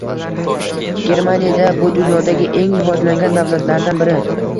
Germaniyada! Bu dunyodagi eng rivojlangan davlatlardan biri